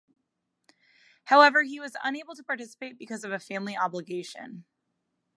However, he was unable to participate because of a family obligation.